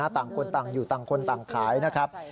ต่างคนต่างอยู่ต่างคนต่างขายนะครับ